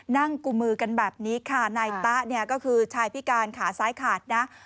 นั่งกุมมือกันแบบนี้ค่ะนายตาก็คือชายพิการขาซ้ายขาดนะ